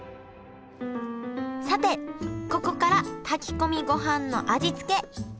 さてここから炊き込みごはんの味付け。